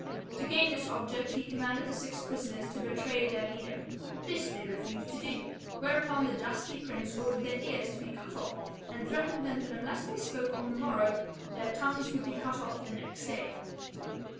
To gain this object he commanded the six prisoners to betray their leader; this they refused to do, whereupon the dusky prince ordered their ears to be cut off and threatened them that unless they spoke on the morrow, their tongues would be cut off the next day.